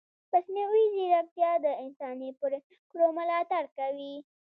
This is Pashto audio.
مصنوعي ځیرکتیا د انساني پرېکړو ملاتړ کوي.